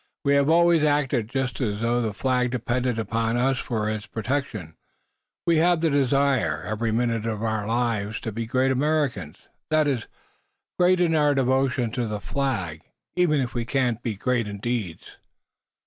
We have always acted just as though the Flag depended upon us for its protection. We have the desire, every minute of our lives, to be great Americans that is, great in our devotion to the Flag, even if we cannot be great in deeds."